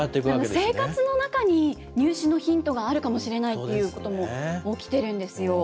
生活の中に入試のヒントがあるかもしれないっていうことも起きてるんですよ。